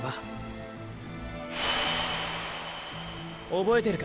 覚えてるか？